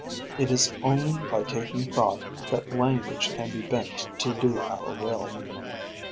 It is only by taking thought that language can be bent to do our will.